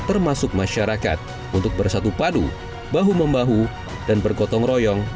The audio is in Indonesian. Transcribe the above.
termasuk masyarakat untuk bersatu padu bahu membahu dan bergotong royong